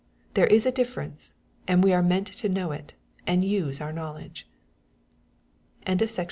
There is a difference, and we are meant to know it, and use our knowledge. MATTHEW VII.